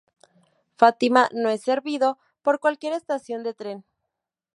Fátima no es servido por cualquier estación de tren.